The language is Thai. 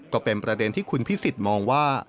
ก็เป็นประเด็นที่คุณพิสิทธิ์มองว่า